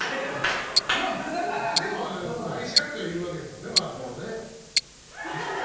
でも、愛し合ってはいるわけですもんね。